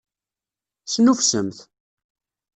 Snuffsemt!